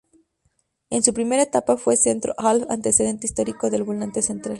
En su primera etapa fue centro half, antecedente histórico del volante central.